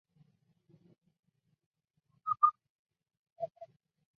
在场上司职右后卫。